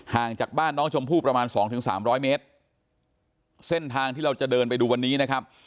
จากบ้านน้องชมพู่ประมาณสองถึงสามร้อยเมตรเส้นทางที่เราจะเดินไปดูวันนี้นะครับ